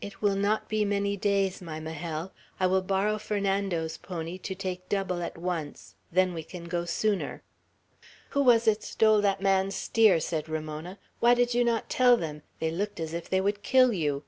"It will not be many days, my Majel. I will borrow Fernando's pony, to take double at once; then we can go sooner." "Who was it stole that man's steer?" said Ramona. "Why did you not tell them? They looked as if they would kill you."